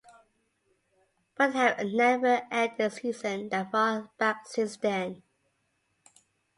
But they have never ended a season that far back since then.